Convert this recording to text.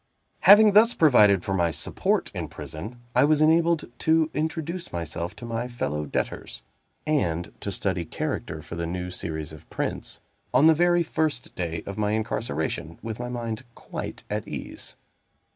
Having thus provided for my support in prison, I was enabled to introduce myself to my fellow debtors, and to study character for the new series of prints, on the very first day of my incarceration, with my mind quite at ease.